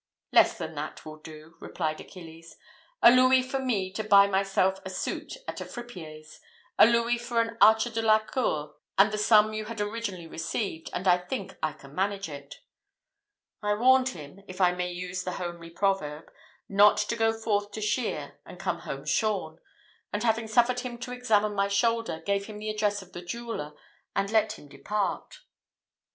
"Less than that will do," replied Achilles; "a louis for me to buy myself a suit at a fripier's, a louis for an archer de la cour, and the sum you had originally received, and I think I can manage it." I warned him, if I may use the homely proverb, not to go forth to shear and come home shorn; and having suffered him to examine my shoulder, gave him the address of the jeweller, and let him depart.